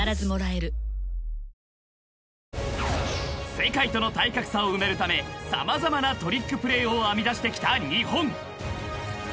［世界との体格差を埋めるため様々なトリックプレーを編み出してきた日本］